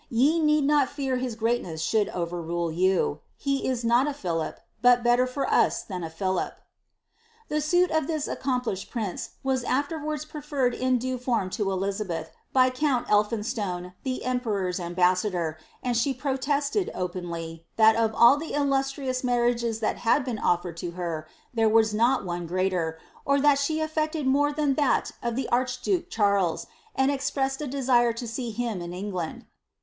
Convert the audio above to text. Ye need not fear his greatness should overrule you. He is oat a Philip, but better for us than a Philip.''' The suit of this accomplished prince was afterwards preferred in due form to Elizabeth, by count Elphinstone, the emperor^s ambassador, and she protested openly, that of all tlie illustrious marriages that had been oflered to her, there was not one greater, or that she affected more than that of the archduke Charles, and expressed a desire to see him in Eng land.